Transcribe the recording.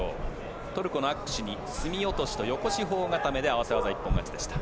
トルコのにアックシュにすみ落としと横四方固めで合わせ一本勝ちでした。